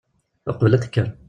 Uqbel ad tekker.